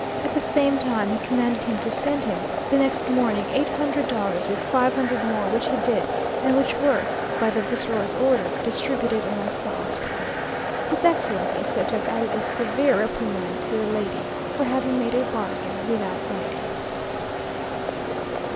At the same time he commanded him to send him, the next morning, eight hundred dollars with five hundred more; which he did, and which were, by the viceroy's order, distributed amongst the hospitals. His Excellency is said to have added a severe reprimand to the lady, for having made a bargain without writing.